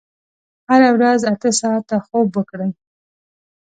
هره ورځ اته ساعته خوب وکړئ.